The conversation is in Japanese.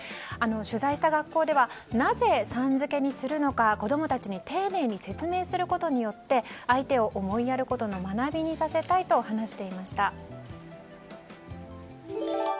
取材した学校ではなぜ、さん付けにするのか子供たちに丁寧に説明することによって相手を思いやることの学びにさせたいと話していました。